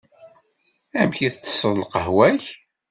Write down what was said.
Amek i tsesseḍ lqahwa-k?